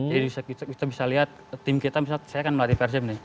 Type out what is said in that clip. kita bisa lihat tim kita misalnya saya kan melatih persib nih